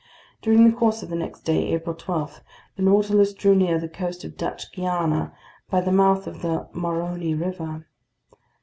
During the course of the next day, April 12, the Nautilus drew near the coast of Dutch Guiana, by the mouth of the Maroni River.